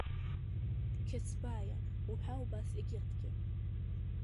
Қьецбаиа уҳәа убас егьырҭгьы.